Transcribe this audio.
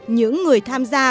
những người tham gia